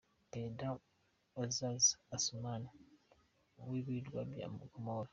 Perezida Azali Assoumani w’Ibirwa bya Comores.